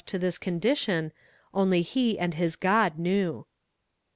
U to this condition, only he and his God Knew.